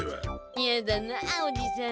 いやだなおじさん。